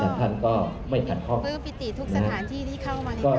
และท่านก็ไม่ผ่านห้องนะครับ